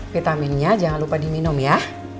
vitaminnya jangan lupa diminum ya